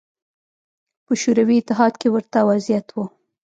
په شوروي اتحاد کې ورته وضعیت و